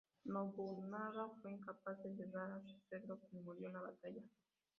Nobunaga fue incapaz de ayudar a su suegro, quien murió en la batalla.